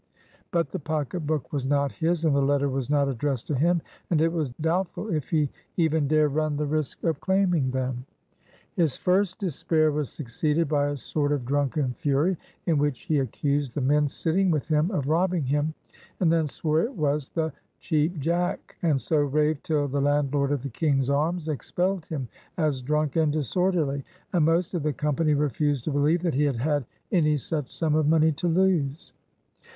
But the pocket book was not his, and the letter was not addressed to him; and it was doubtful if he even dare run the risk of claiming them. His first despair was succeeded by a sort of drunken fury, in which he accused the men sitting with him of robbing him, and then swore it was the Cheap Jack, and so raved till the landlord of the King's Arms expelled him as "drunk and disorderly," and most of the company refused to believe that he had had any such sum of money to lose.